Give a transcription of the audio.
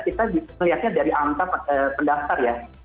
kita melihatnya dari angka pendaftar ya